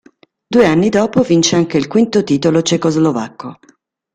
Due anni dopo vince anche il quinto titolo cecoslovacco.